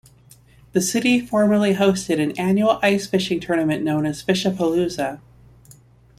The city formerly hosted an annual ice fishing tournament known as Fishapalooza.